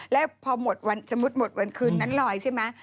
และพอสมมติวันคืนนั้นรอยใช่ไหม